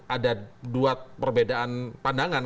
ada dua perbedaan pandangan